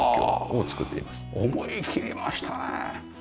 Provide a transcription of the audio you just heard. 思い切りましたね！